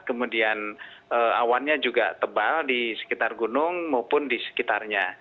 kemudian awannya juga tebal di sekitar gunung maupun di sekitarnya